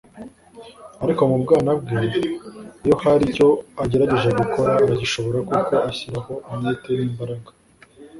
Ariko mu bwana bwe iyo hari icyo agerageje gukora aragishobora kuko ashyiraho umwete n’imbaraga